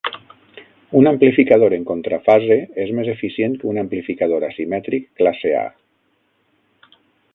Un amplificador en contrafase és més eficient que un amplificador asimètric "classe A".